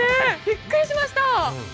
びっくりしました！